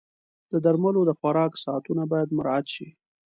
د درملو د خوراک ساعتونه باید مراعت شي.